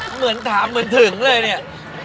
เหมือนถามเหมือนถึงเลยเนี่ย